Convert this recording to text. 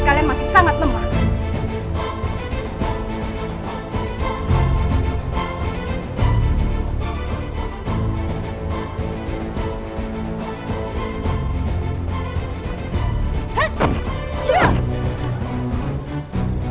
kalian masih sangat lemah